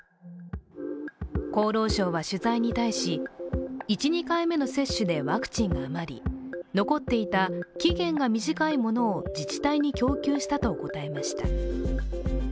厚労省は取材に対し１２回目の接種でワクチンが余り残っていた期限が短いものを自治体に供給したと答えました。